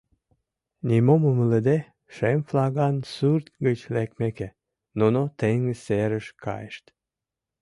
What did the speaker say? Нимом умылыде, шем флаган сурт гыч лекмеке, нуно теҥыз серыш кайышт.